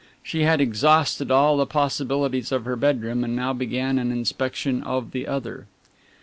She had exhausted all the possibilities of her bedroom and now began an inspection of the other.